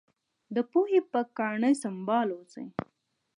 د پوهې په ګاڼه سمبال اوسئ.